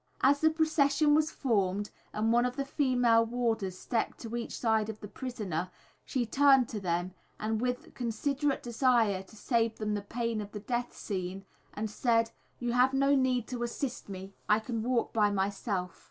As the procession was formed and one of the female warders stepped to each side of the prisoner, she turned to them with a considerate desire to save them the pain of the death scene, and said, "You have no need to assist me, I can walk by myself."